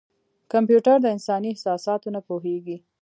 کمپیوټر د انساني احساساتو نه پوهېږي.